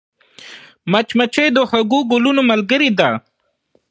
مچمچۍ د خوږو ګلونو ملګرې ده